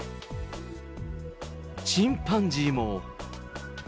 チンパンジーも。